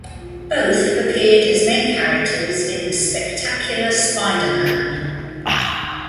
Both have appeared as main characters in "The Spectacular Spider-Man".